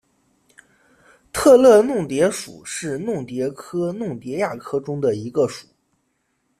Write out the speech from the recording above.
特乐弄蝶属是弄蝶科弄蝶亚科中的一个属。